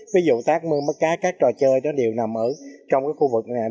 ví dụ tác mưa mắt cá các trò chơi đó đều nằm ở trong khu vực này